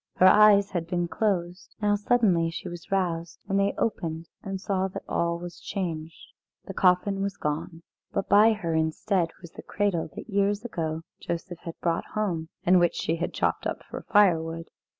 Her eyes had been closed. Now suddenly she was roused, and they opened and saw that all was changed. The coffin was gone, but by her instead was the cradle that years ago Joseph had brought home, and which she had chopped up for firewood.